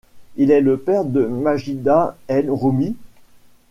Il est le père de Majida El Roumi.